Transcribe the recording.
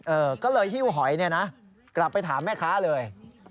เออก็เลยฮิ้วหอยเนี่ยนะกลับไปถามแม่ค้าเลย